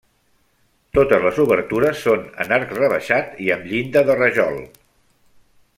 Totes les obertures són en arc rebaixat i amb llinda de rajol.